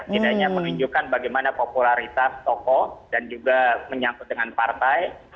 tidak hanya menunjukkan bagaimana popularitas tokoh dan juga menyangkut dengan partai